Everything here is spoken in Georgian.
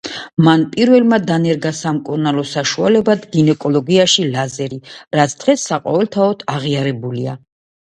მან პირველმა დანერგა სამკურნალო საშუალებად გინეკოლოგიაში ლაზერი, რაც დღეს საყოველთაოდ აღიარებულია.